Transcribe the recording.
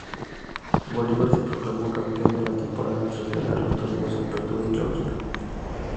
Bolívar se proclamó Campeón de la Temporada tras ganar los torneos Apertura y Clausura.